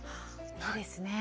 いいですね。